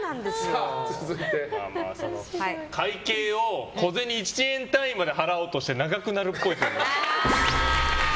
会計を小銭１円単位まで払おうとして長くなるっぽい。